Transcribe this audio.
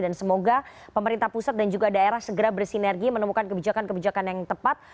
dan semoga pemerintah pusat dan juga daerah segera bersinergi menemukan kebijakan kebijakan yang tepat